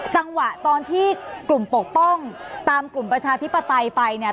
จังหวะตอนที่กลุ่มปกป้องตามกลุ่มประชาธิปไตยไปเนี่ย